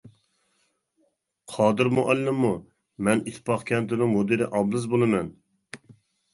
قادىر مۇئەللىممۇ؟ مەن ئىتتىپاق كەنتىنىڭ مۇدىرى ئابلىز بولىمەن.